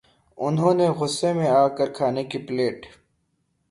انھوں نے غصے میں آ کر کھانے کی پلیٹ